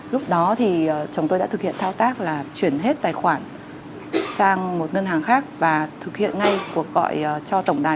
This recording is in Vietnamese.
lúc đó thì chồng tôi đã thực hiện thao tác là chuyển hết tài khoản sang một ngân hàng khác và thực hiện ngay cuộc gọi cho tổng đài